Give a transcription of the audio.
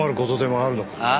ああ？